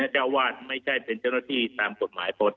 เจ้าวาดไม่ใช่เป็นเจ้าหน้าที่ตามกฎหมายคน